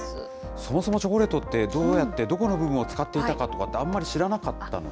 そもそもチョコレートって、どうやってどこの部分を使っていたかとかって、あんまり知らなかったんで。